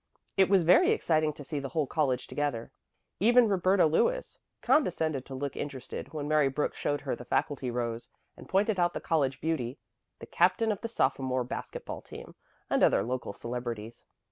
It was very exciting to see the whole college together. Even Roberta Lewis condescended to look interested when Mary Brooks showed her the faculty rows, and pointed out the college beauty, the captain of the sophomore basket ball team, and other local celebrities.